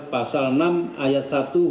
pasal enam ayat satu huruf a atau pasal lima